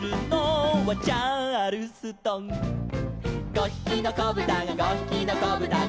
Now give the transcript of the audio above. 「５ひきのこぶたが５ひきのこぶたが」